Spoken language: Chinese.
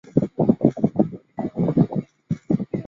沙尼阿。